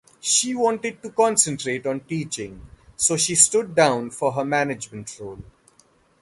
She wanted to concentrate on teaching so she stood down from her management role.